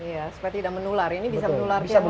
ya seperti ini sudah menular ini bisa menular ke yang lain